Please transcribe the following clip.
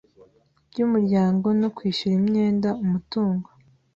by umuryango no kwishyura imyenda umutungo